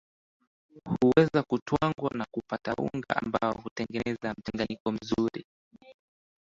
Huweza kutwangwa na kupata unga ambao hutengeza mchanganyiko mzuri